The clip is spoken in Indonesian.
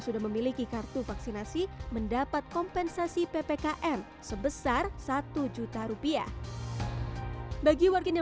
sudah memiliki kartu vaksinasi mendapat kompensasi ppkm sebesar satu juta rupiah bagi warganya